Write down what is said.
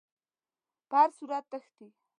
په هر صورت تښتي.